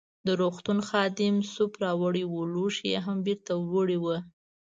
د روغتون خادم سوپ راوړی وو، لوښي يې هم بیرته وړي ول.